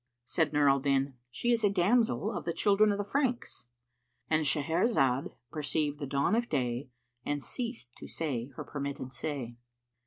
Said Nur al Din, "She is a damsel of the children of the Franks;"—And Shahrazad perceived the dawn of day and ceased to say her permitted say.